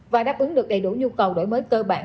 và đáp ứng được đầy đủ nhu cầu đổi mới cơ bản